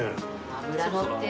脂のってる。